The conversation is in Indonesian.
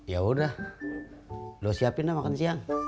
yaudah lo siapin dah makan siang